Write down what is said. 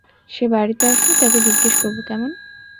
সে বাড়িতে আসলে তাকে জিজ্ঞেস করব কেমন?